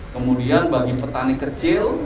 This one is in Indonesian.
kemudian bagi petani kecil